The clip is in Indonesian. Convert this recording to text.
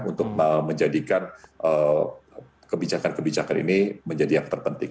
untuk menjadikan kebijakan kebijakan ini menjadi yang terpenting